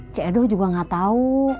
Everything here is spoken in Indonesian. cik edo juga gak tau